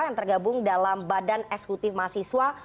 yang tergabung dalam badan eksekutif mahasiswa